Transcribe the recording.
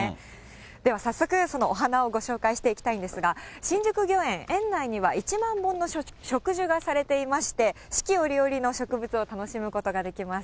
では早速、そのお花をご紹介していきたいんですが、新宿御苑、園内には１万本の植樹がされておりまして、四季折々の植物を楽しむことができます。